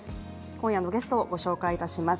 今夜のゲストをご紹介します。